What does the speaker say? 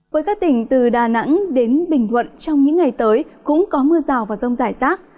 với các tỉnh từ đà nẵng đến bình thuận trong những ngày tới cũng có mưa rào và rông rải rác